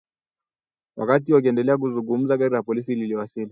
Wakati wakiendelea kuzungumza gari la polisi liliwasili